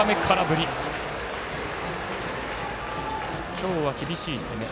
今日は厳しい攻め。